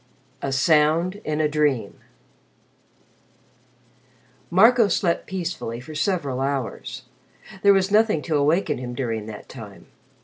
XV A SOUND IN A DREAM Marco slept peacefully for several hours. There was nothing to awaken him during that time.